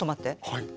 はい。